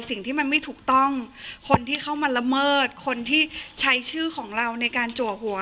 สิ่งที่มันไม่ถูกต้องคนที่เข้ามาละเมิดคนที่ใช้ชื่อของเราในการจัวหัว